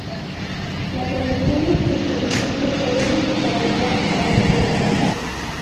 Las elecciones presidenciales se deben desarrollar a dos vueltas.